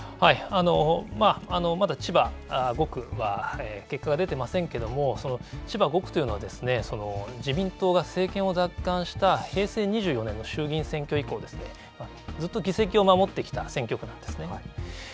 まだ千葉５区は、結果が出てませんけれども、千葉５区というのは、自民党が政権を奪還した平成２４年の衆議院選挙以降、ずっと議席を守ってきた選挙区なんですね。